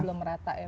belum rata ya bang